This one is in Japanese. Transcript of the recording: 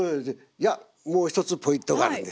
いやもう一つポイントがあるんです。